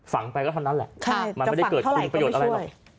ฝังไปก็เท่านั้นแหละมันไม่ได้เกิดคุณประโยชน์อะไรหรอก